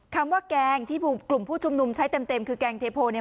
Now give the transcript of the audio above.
คำว่าแกงที่กลุ่มผู้ชุมนุมใช้เต็มคือแกงเทโพลเนี่ย